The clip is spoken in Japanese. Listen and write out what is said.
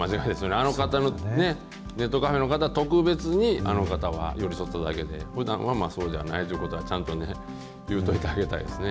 あの方の、ネットカフェの方、特別にあの方が寄り添っただけで、ふだんはそうじゃないということは、ちゃんと言うといてあげたいですね。